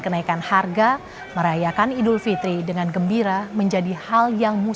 ini yang saya beli untuk siang hari ini